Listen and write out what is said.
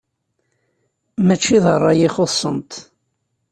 Mačči d ṛṛay i xuṣṣent.